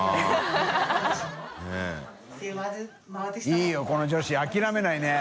いいこの女子諦めないね。